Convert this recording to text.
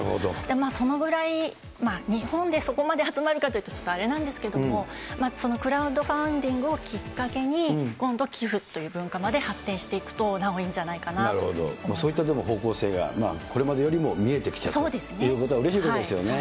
そのぐらい、日本でそこまで集まるかというとちょっとあれなんですけども、クラウドファンディングをきっかけに、今度、寄付という文化まで発展していくと、なおいいんじゃないかそういった方向性がこれまでよりも見えてきたということはうれしいことですよね。